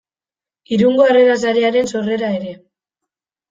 Irungo Harrera Sarearen sorrera ere.